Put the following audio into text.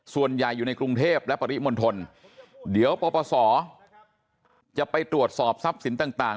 ส่วนใหญ่อยู่ในกรุงเทพและปริมณฑลเดี๋ยวปปศจะไปตรวจสอบทรัพย์สินต่าง